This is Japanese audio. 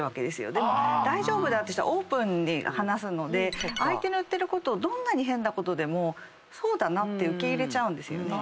でも大丈夫だっていう人はオープンに話すので相手の言ってることどんなに変なことでもそうだなって受け入れちゃうんですよね。